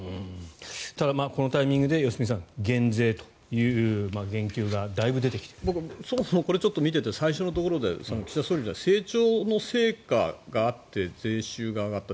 ただ、このタイミングで良純さん、減税というそもそも、これを見ていて最初のところで岸田総理成長の成果があって税収が上がった。